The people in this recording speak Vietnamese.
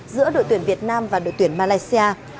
giữa đội tuyển việt nam và đội tuyển malaysia